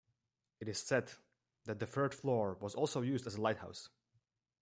It is said that the third floor was also used as a lighthouse.